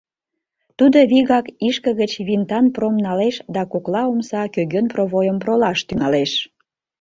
Тудо вигак ишке гыч винтан пром налеш да кокла омса кӧгӧн провойым пролаш тӱҥалеш.